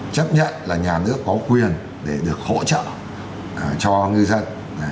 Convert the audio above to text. chấp nhận là nhà nước có quyền để được hỗ trợ cho ngư dân